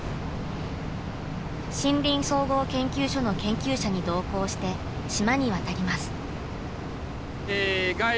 森林総合研究所の研究者に同行して島に渡ります。